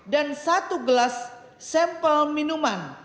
dan satu gelas sampel minuman